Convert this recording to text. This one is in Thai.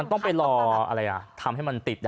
มันต้องไปรออะไรทำให้มันติด